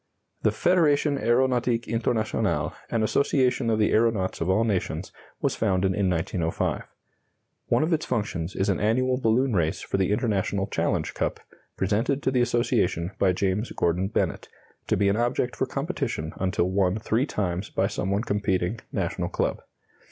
The Federation Aeronautique Internationale, an association of the aeronauts of all nations, was founded in 1905. One of its functions is an annual balloon race for the International Challenge Cup, presented to the association by James Gordon Bennett, to be an object for competition until won three times by some one competing national club.